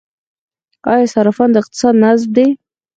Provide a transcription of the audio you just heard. آیا صرافان د اقتصاد نبض دي؟